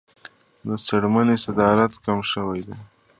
د څرمنې صادرات کم شوي دي